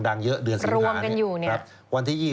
คดีนี้เรารู้สึกคดีดังเยอะเดือนสิงหานี้